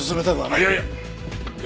いやいや！